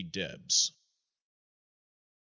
Debs. Mr.